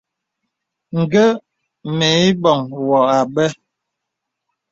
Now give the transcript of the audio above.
Ǹgə mə ìbɔŋ wɔ àbə.